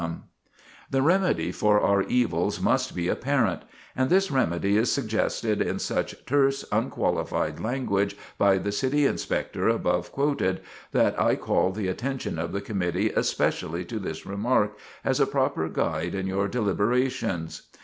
[Sidenote: The Remedy] The remedy for our evils must be apparent; and this remedy is suggested in such terse unqualified language by the City Inspector above quoted, that I call the attention of the committee especially to this remark, as a proper guide in your deliberations.